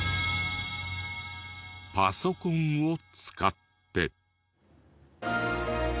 パソコンを使って。